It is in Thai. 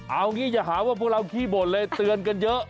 เอางี้อย่าหาว่าพวกเราขี้บ่นเลยเตือนกันเยอะ